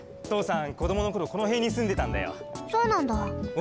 ん？